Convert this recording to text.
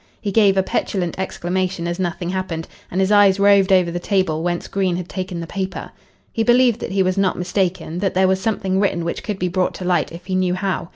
He gave a petulant exclamation as nothing happened, and his eyes roved over the table whence Green had taken the paper. He believed that he was not mistaken, that there was something written which could be brought to light if he knew how.